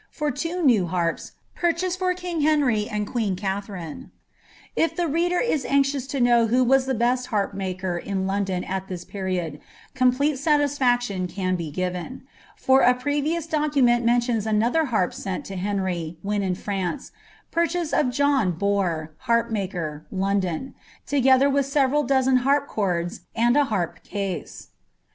for two nev b^ purchased for king Henry and qneen Katherine," If itie reader il aiuiouE to know who was the best harp maker in Loudon al ihia period, complete satisfaction can be given ; for a previoM (kicnmnil neniiom another harp sent to Henry, when in France, " purchasml of John Bom harp maker, London ; together with several doaeii hnrp chordf uri i harp case."